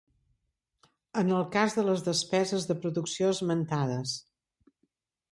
En el cas de les despeses de producció esmentades.